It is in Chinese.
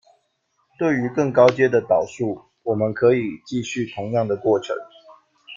对于更高阶的导数，我们可以继续同样的过程。